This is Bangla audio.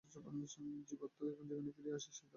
জীবাত্মা যে এখানে ফিরিয়া আসে, এ ধারণা উপনিষদেই রহিয়াছে।